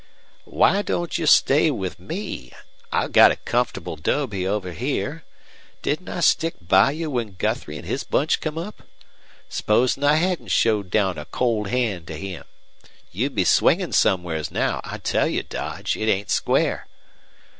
"Why don't you stay with me? I've got a comfortable 'dobe over here. Didn't I stick by you when Guthrie an' his bunch come up? Supposin' I hedn't showed down a cold hand to him? You'd be swingin' somewheres now. I tell you, Dodge, it ain't square."